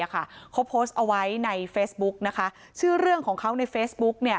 เขาโพสต์เอาไว้ในเฟซบุ๊กนะคะชื่อเรื่องของเขาในเฟซบุ๊กเนี่ย